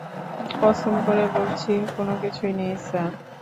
কসম করে বলছি, কোনো কিছুই নেই, স্যার।